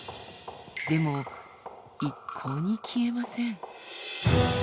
でも一向に消えません。